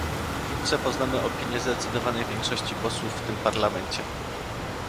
Wkrótce poznamy opinię zdecydowanej większości posłów w tym Parlamencie